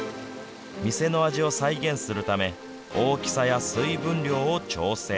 店の味を再現するため、大きさや水分量を調整。